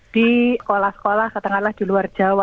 di sekolah sekolah ketengah ketengah di luar jawa